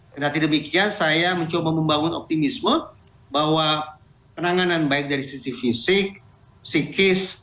karena tidak demikian saya mencoba membangun optimisme bahwa penanganan baik dari sisi fisik psikis